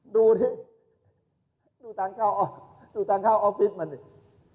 ดูที่ดูต่างเข้าออฟฟิศมันดิ